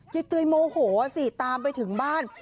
เตยโมโหสิตามไปถึงบ้าน